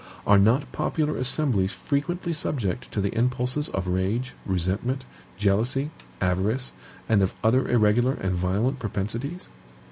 Are not popular assemblies frequently subject to the impulses of rage, resentment, jealousy, avarice, and of other irregular and violent propensities?